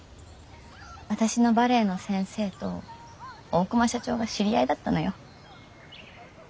私のバレエの先生と大熊社長が知り合いだったのよ。